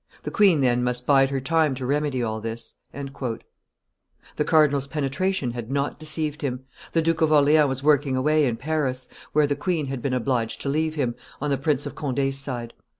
The queen, then, must bide her time to remedy all this." The cardinal's penetration had not deceived him; the Duke of Orleans was working away in Paris, where the queen had been obliged to leave him, on the Prince of Conde's side.